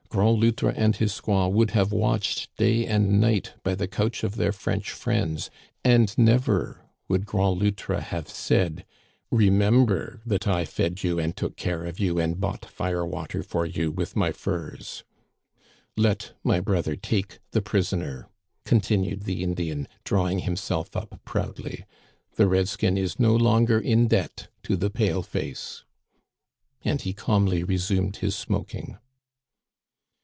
Grand Loutre and his squaw would have watched day and night by the couch of their French friends ; and never would Grand Loutre have said, * Remember that I Digitized by VjOOQIC 192 THE CANADIANS OF OLD. fed you and took care of you and bought fire water for you with my furs.' Let my brother take the prisoner," continued the Indian, drawing himself up proudly; " the red skin is no longer in debt to the pale face !" And he calmly resumed his smoking.